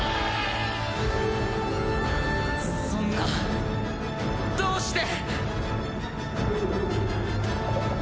そんなどうして！